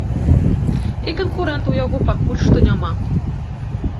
І канкурэнтаў у яго пакуль што няма.